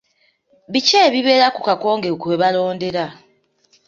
Biki ebibeera ku kakonge kwe balondera?